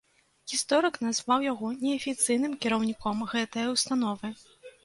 Гісторык назваў яго неафіцыйным кіраўніком гэтае ўстановы.